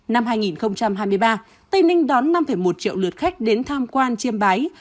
năm hai nghìn hai mươi ba tây ninh đón năm một triệu lượt khách đến tham quan chiêm bái